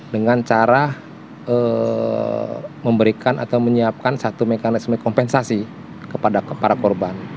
dengan cara memberikan atau menyiapkan satu mekanisme kompensasi kepada para korban